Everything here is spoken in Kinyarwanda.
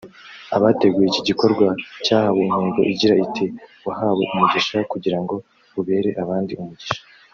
Abateguye iki gikorwa cyahawe intego igira iti "Wahawe umugisha kugira ngo ubere abandi umugisha"